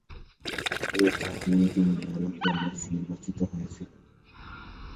এ খেলায়ও তিনি man of the match নির্বাচিত হয়েছিলেন।